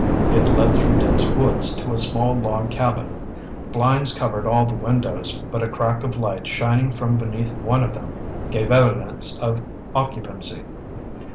It led through dense woods to a small log cabin. Blinds covered all the windows, but a crack of light shining from beneath one of them, gave evidence of occupancy.